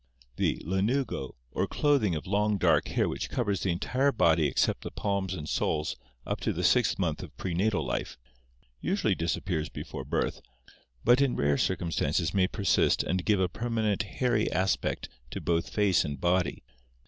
The lanugo, or clothing of long dark hair which covers the entire body except the palms and soles up to the sixth month of prenatal life, usually disap pears before birth, but in rare circum stances may persist and give a perma nently hairy aspect to both face and body.